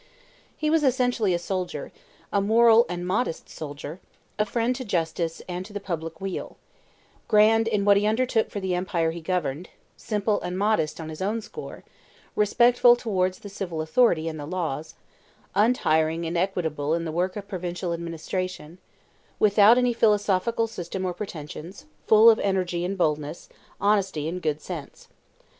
He was essentially a soldier a moral and a modest soldier; a friend to justice and the public weal; grand in what he undertook for the empire he governed; simple and modest on his own score; respectful towards the civil authority and the laws; untiring and equitable in the work of provincial administration; without any philosophical system or pretensions; full of energy and boldness, honesty and good sense.